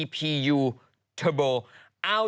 ปล่อยให้เบลล่าว่าง